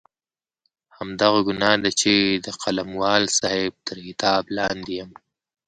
همدغه ګناه ده چې د قلموال صاحب تر عتاب لاندې یم.